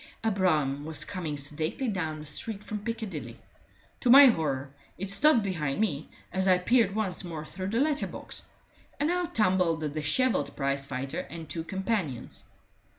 A brougham was coming sedately down the street from Piccadilly; to my horror, it stopped behind me as I peered once more through the letter box, and out tumbled the dishevelled prizefighter and two companions.